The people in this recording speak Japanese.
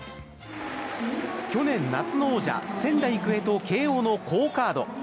去年、夏の王者仙台育英と慶應の好カード。